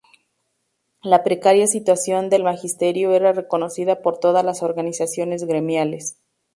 La precaria situación del magisterio era reconocida por todas las organizaciones gremiales.